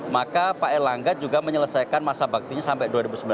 maka pak erlangga juga menyelesaikan masa baktinya sampai dua ribu sembilan belas